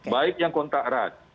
baik yang kontak erat